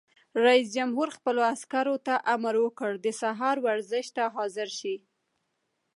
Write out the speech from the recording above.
رئیس جمهور خپلو عسکرو ته امر وکړ؛ د سهار ورزش ته حاضر شئ!